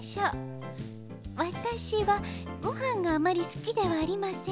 「わたしはごはんがあまりすきではありません。